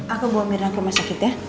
aku bawa miran ke masakit ya